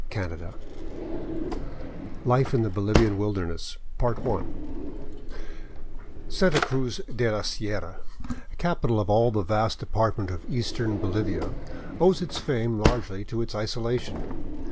. 542 CHAPTER XX LIFE IN THE BOLIVIAN WILDERNESS SANTA CRUZ DE LA SIERRA, capital of all the vast depart ment of eastern Bolivia, owes its fame largely to its isolation.